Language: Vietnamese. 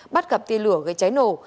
bắt gặp tiên lửa gây cháy nổ